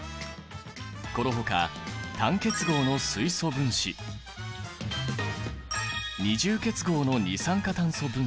このほか単結合の水素分子二重結合の二酸化炭素分子